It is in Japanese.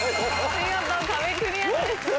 見事壁クリアです。